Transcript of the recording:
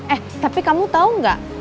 eh tapi kamu tau gak